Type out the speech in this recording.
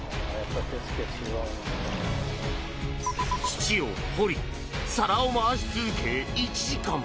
土を掘り皿を回し続け１時間。